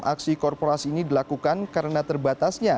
aksi korporasi ini dilakukan karena terbatasnya